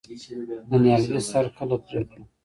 د نیالګي سر کله پرې کړم؟